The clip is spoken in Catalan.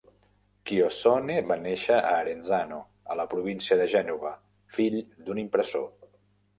Chiossone va néixer a Arenzano, a la província de Gènova, fill d'un impressor.